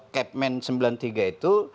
kepmen sembilan puluh tiga itu